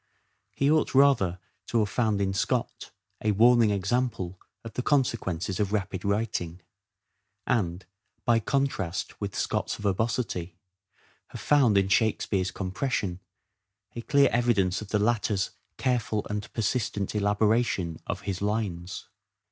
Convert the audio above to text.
He ought, rather, to have found in Scott a warning example of the consequences of rapid writing ; and, by contrast with Scott's verbosity, have found in Shakespeare's compression a clear evidence of the latter's careful and persistent elabora tion of his lines.